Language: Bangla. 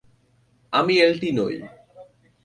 আমি এলটি নই।